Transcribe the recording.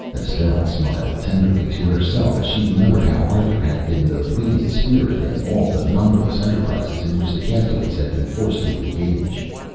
Estelle smiled tenderly to herself as she remembered how Arthur had been the leading spirit in all the numberless enterprises in which the castaways had been forced to engage.